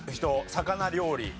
魚料理。